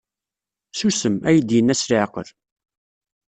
Susem, ay d-yenna s leɛqel.